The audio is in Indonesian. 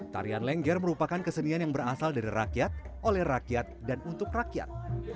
tarian lengger merupakan kesenian yang berasal dari rakyat oleh rakyat dan untuk rakyat